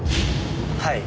はい。